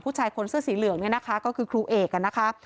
ผู้ชายคนเสื้อสีเหลืองเนี่ยนะคะก็คือครูเอกนะคะ